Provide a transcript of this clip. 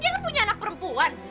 dia kan punya anak perempuan